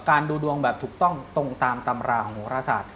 ดูดวงแบบถูกต้องตรงตามตำราของโหรศาสตร์